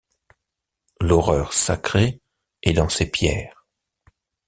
L’horreur sacrée est dans ces pierres.